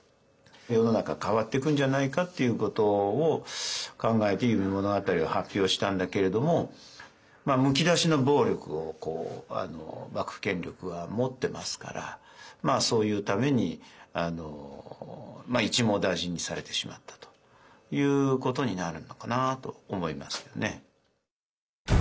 世の中変わっていくんじゃないかっていうことを考えて「夢物語」を発表したんだけれどもむき出しの暴力を幕府権力は持ってますからそういうために一網打尽にされてしまったということになるのかなと思いますよね。